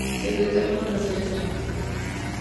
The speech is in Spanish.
Secretario en Buenos Aires Argentina.